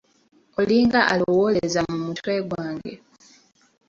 Olinga alowooleza mu mutwe ggwange!